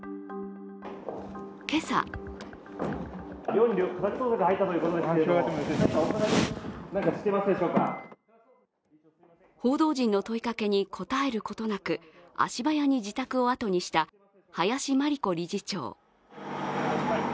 今朝報道陣の問いかけに応えることなく足早に自宅をあとにした林真理子理事長。